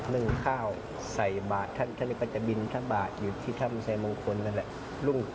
นึ่งข้าวใส่บาทท่านเรียกว่าจะบินทบาทอยู่ที่ถ้ำชัยมงคลนั่นแหละ